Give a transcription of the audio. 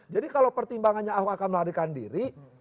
jadi kalau pertimbangannya ahok akan melarikan diri